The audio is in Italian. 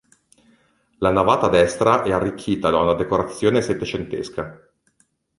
La navata destra è arricchita da una decorazione settecentesca.